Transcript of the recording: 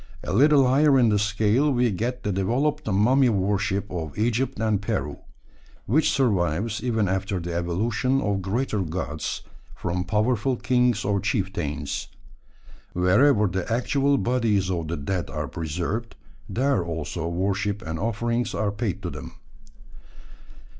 A little higher in the scale we get the developed mummy worship of Egypt and Peru, which survives even after the evolution of greater gods, from powerful kings or chieftains. Wherever the actual bodies of the dead are preserved, there also worship and offerings are paid to them.